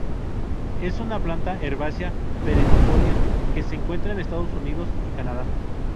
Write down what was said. Es una planta herbácea perennifolia que se encuentra en Estados Unidos y Canadá.